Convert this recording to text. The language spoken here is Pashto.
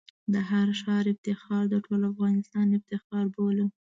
د هر ښار افتخار د ټول افغانستان افتخار بولم.